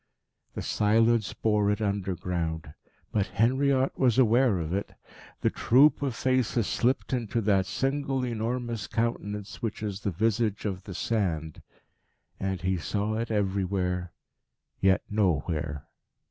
The silence bore it underground. But Henriot was aware of it. The troop of faces slipped into that single, enormous countenance which is the visage of the Sand. And he saw it everywhere, yet nowhere.